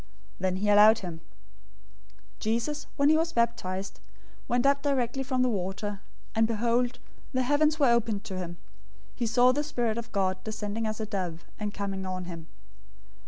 Then he allowed him. 003:016 Jesus, when he was baptized, went up directly from the water: and behold, the heavens were opened to him. He saw the Spirit of God descending as a dove, and coming on him.